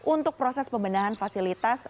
untuk proses pembenahan fasilitas